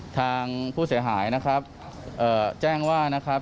ทางผู้เสียหายนะครับแจ้งว่านะครับ